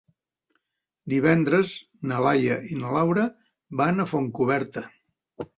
Divendres na Laia i na Laura van a Fontcoberta.